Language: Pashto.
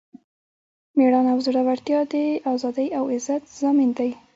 میړانه او زړورتیا د ازادۍ او عزت ضامن دی.